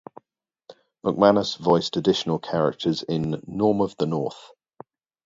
McManus voiced additional characters in "Norm of the North".